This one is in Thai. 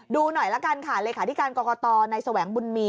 ดูหน่อยละกันค่ะเลขาธิการกรกตในแสวงบุญมี